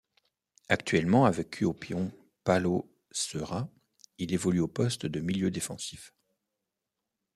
Actuellement avec Kuopion Palloseura, il évolue au poste de milieu défensif.